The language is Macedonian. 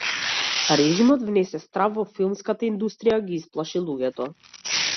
Режимот внесе страв во филмската индустрија, ги исплаши луѓето.